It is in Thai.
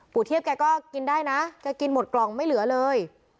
เทียบแกก็กินได้นะแกกินหมดกล่องไม่เหลือเลย